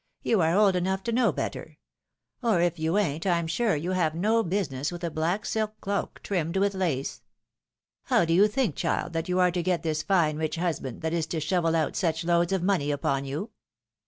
"You are old enough to know better ; or if you ain't, Pm sure, you have no business with a black silk cloak triihmed with lace. How do you think, child, that you are to get this fine rich husband that is to shovel out such loads of money Tjpon you?